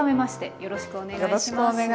よろしくお願いします。